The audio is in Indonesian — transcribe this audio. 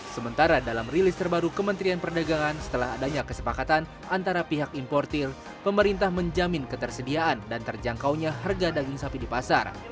sementara dalam rilis terbaru kementerian perdagangan setelah adanya kesepakatan antara pihak importer pemerintah menjamin ketersediaan dan terjangkaunya harga daging sapi di pasar